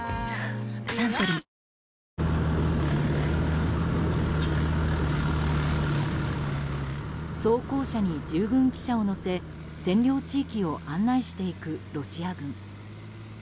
サントリー装甲車に従軍記者を乗せ占領地域を案内していくロシア軍。